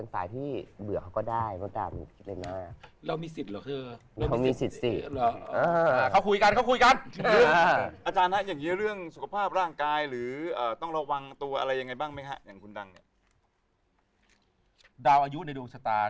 สุขภาพร่างกายก็อย่างบ้างไม่ค่ะ